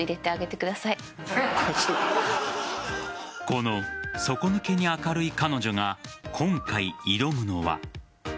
この底抜けに明るい彼女が今回、挑むのは。